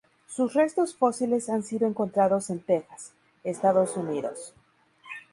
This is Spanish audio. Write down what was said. Sus restos fósiles han sido encontrados en Texas, Estados Unidos.